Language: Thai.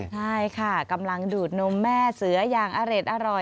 ใช่ค่ะกำลังดูดนมแม่เสืออย่างอร่อย